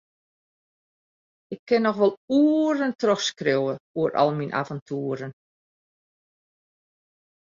Ik kin noch wol oeren trochskriuwe oer al myn aventoeren.